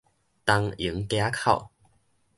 東榮街仔口